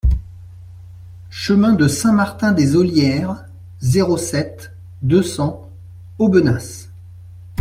Chemin de Saint-Martin des Ollières, zéro sept, deux cents Aubenas